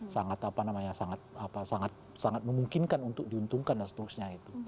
sangat memungkinkan untuk diuntungkan dan seterusnya